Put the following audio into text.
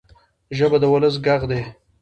ژبه د ولس ږغ دی.